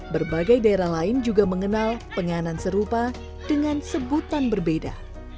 berbagai daerah lain juga mengenal penganan serupa dengan sebutan berbeda